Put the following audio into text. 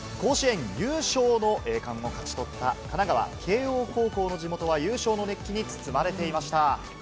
甲子園優勝の栄冠を勝ち取った神奈川・慶應高校の地元は優勝の熱気に包まれていました。